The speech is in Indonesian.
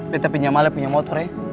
kita pinjam malep punya motor ya